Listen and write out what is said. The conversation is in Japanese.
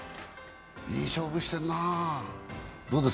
いい勝負してるな。